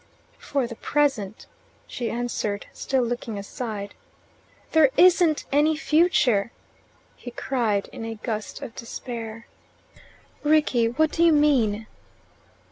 "For the present," she answered, still looking aside. "There isn't any future," he cried in a gust of despair. "Rickie, what do you mean?"